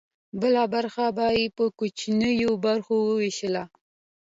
بله برخه به یې په کوچنیو برخو ویشله.